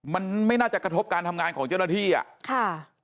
มันไม่น่าจะกระทบการทำงานของเจ้าหน้าที่อ่ะค่ะ